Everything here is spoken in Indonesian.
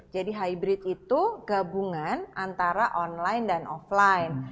jadi hybrid itu gabungan antara online dan offline